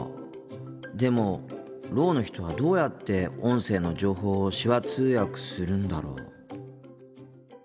でもろうの人はどうやって音声の情報を手話通訳するんだろう。